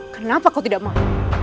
kenapa kau tidak mau